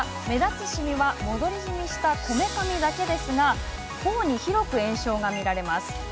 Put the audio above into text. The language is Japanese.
目立つシミは戻りジミしたこめかみだけですがほおに広く炎症が見られます。